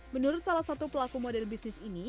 menurut salah satu pelaku model bisnis ini